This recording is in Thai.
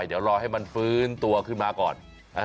เดี๋ยวรอให้มันฟื้นตัวขึ้นมาก่อน